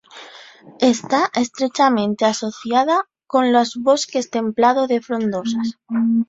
Está estrechamente asociada con los bosque templado de frondosas.